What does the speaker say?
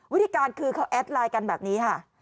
วิธีการคือเขาแอดไลน์กันแบบนี้ค่ะ